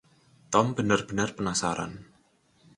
Tom benar-benar penasaran.